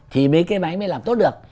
thì mấy cái máy mới làm tốt được